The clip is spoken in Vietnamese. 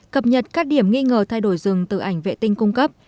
cập nhật các điểm nghi ngờ thay đổi rừng từ ảnh vệ tinh cung cấp